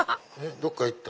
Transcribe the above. どっか行った。